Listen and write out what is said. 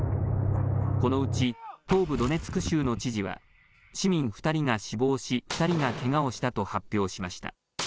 このうち東部ドネツク州の知事は、市民２人が死亡し、２人がけがをしたと発表しました。